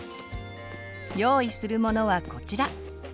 用意する物はこちら。